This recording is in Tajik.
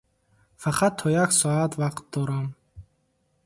Фақат то як соат вақт дорам.